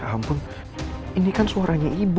ampun ini kan suaranya ibu